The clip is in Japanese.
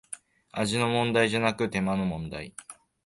味の問題じゃなく手間の問題